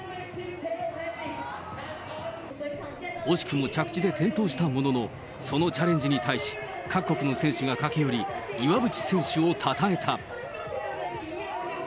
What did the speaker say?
惜しくも着地で転倒したものの、そのチャレンジに対し、各国の選手が駆け寄り、岩渕選手をたたえた。